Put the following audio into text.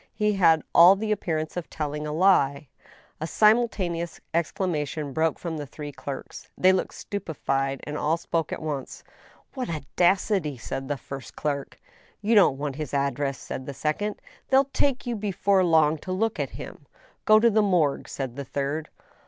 He had all the appearance of telling a lie. A simultaneous exclamation broke from the three clerks. They looked stupefied, and all spoke at once. " What audacity I " said the first clerk. "You don't want his address," said the second. "Theyll take you before long to look at him." " Go to the Morgue," said the third.